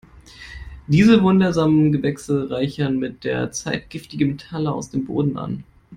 Diese wundersamen Gewächse reichern mit der Zeit giftige Metalle aus dem Boden an.